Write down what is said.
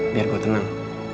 biar gue tenang